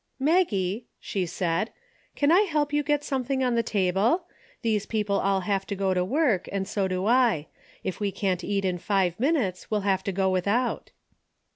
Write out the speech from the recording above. "Maggie," she said, "can I help you get something on the table? These people all have to go to work and so do I. If we can't eat in five minutes we'll have to go without."